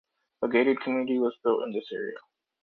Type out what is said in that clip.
A gated community was built in this area.